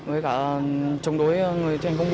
với cả chống đối người tranh phong bụ